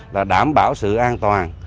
là đảm bảo sự an toàn